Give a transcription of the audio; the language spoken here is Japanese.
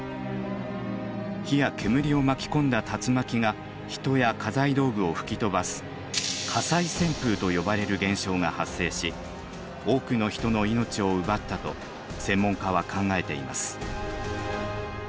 火や煙を巻き込んだ竜巻が人や家財道具を吹き飛ばす「火災旋風」と呼ばれる現象が発生し多くの人の命を奪ったと専門家は考えています。